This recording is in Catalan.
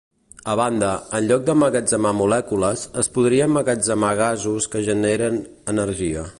A banda, en lloc d’emmagatzemar molècules, es podria emmagatzemar gasos que generen energia.